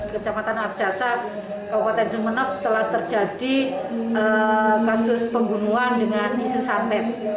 kecamatan arjasa kabupaten sumeneb telah terjadi kasus pembunuhan dengan isu santet